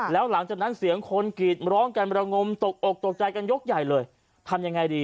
แล้วหลังจากนั้นเสียงคนกรีดร้องกันระงมตกอกตกใจกันยกใหญ่เลยทำยังไงดี